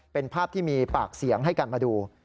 เป็นภาพที่มีปากเสียงให้กันมาดู